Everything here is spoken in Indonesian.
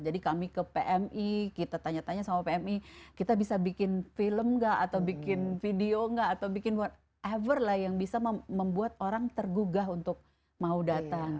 jadi kami ke pmi kita tanya tanya sama pmi kita bisa bikin film gak atau bikin video gak atau bikin whatever lah yang bisa membuat orang tergugah untuk mau datang